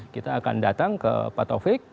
kita akan datang ke pak taufik